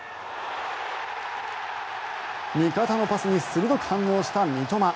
味方のパスに鋭く反応した三笘。